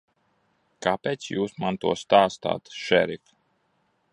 Kāpēc Jūs man to stāstāt, šerif?